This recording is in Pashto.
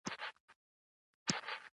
د بلخ سبزې وار د باختر دیوالونه لري